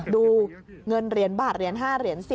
ดูเงินเหรียญบาทเหรียญ๕เหรียญ๑๐